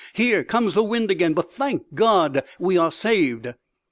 Here comes the wind again; but, thank God, we are saved!"